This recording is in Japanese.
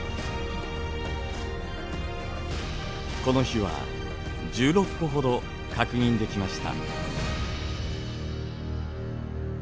この日は１６個ほど確認できました。